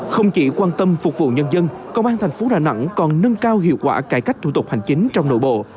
không chỉ quan tâm phục vụ nhân dân công an thành phố đà nẵng còn nâng cao hiệu quả cải cách thủ tục hành chính trong nội bộ